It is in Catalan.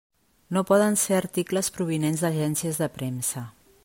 No poden ser articles provinents d'agències de premsa.